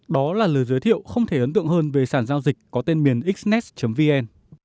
đó là lời giới thiệu không thể ấn tượng hơn về sản giao dịch có tên miền xnets vn